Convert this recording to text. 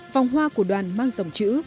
vòng hoa của đoàn mang dòng chữ